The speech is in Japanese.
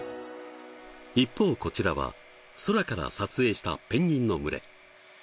一方こちらは空から撮影したペンギンの群れ。